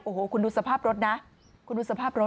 โอ้โหคุณดูสภาพรถนะคุณดูสภาพรถ